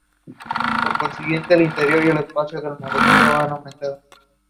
The flag of Florence also features on numerous public amenities and services.